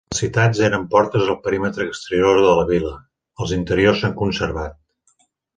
Els citats eren portes al perímetre exterior de la vila, els interiors s'han conservat.